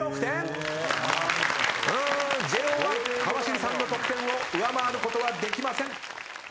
ＪＯ１川尻さんの得点を上回ることはできません。